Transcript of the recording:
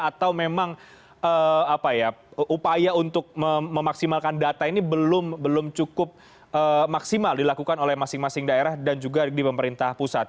atau memang upaya untuk memaksimalkan data ini belum cukup maksimal dilakukan oleh masing masing daerah dan juga di pemerintah pusat